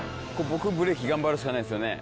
僕ブレーキ頑張るしかないですよね。